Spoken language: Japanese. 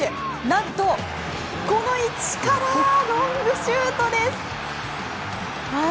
何と、この位置からロングシュートです。